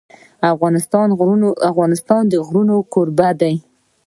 افغانستان د غرونه کوربه دی.